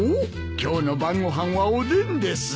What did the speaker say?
今日の晩ご飯はおでんです。